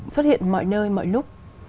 xuất hiện mọi nơi mọi lúc